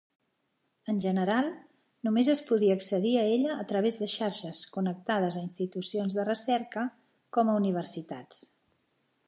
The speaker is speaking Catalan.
En general, només es podia accedir a ella a través de xarxes connectades a institucions de recerca com a universitats.